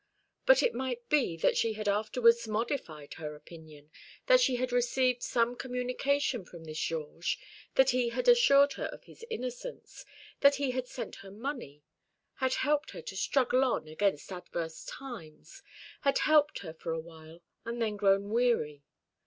But it might be that she had afterwards modified her opinion, that she had received some communication from this Georges, that he had assured her of his innocence, that he had sent her money, had helped her to struggle on against adverse times, had helped her for a while, and then grown weary.